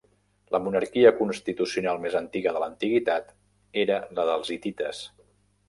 La monarquia constitucional més antiga de l'antiguitat era la dels hitites.